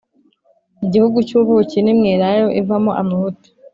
igihugu cy’ubuki n’imyelayo ivamo amavuta,